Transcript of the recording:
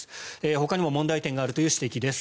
ほかにも問題点があるという指摘です。